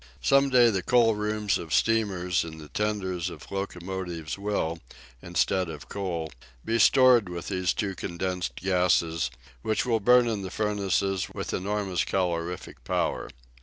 Some day the coalrooms of steamers and the tenders of locomotives will, instead of coal, be stored with these two condensed gases, which will burn in the furnaces with enormous calorific power.